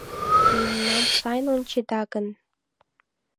Мемнам сайын ончеда гын